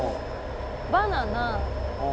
バナナ。